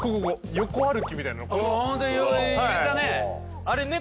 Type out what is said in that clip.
横歩きみたいな。